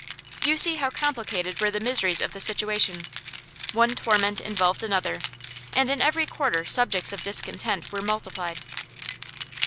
You see how complicated were the miseries of the situation; one torment involved another, and in every quarter subjects of discontent were multiplied.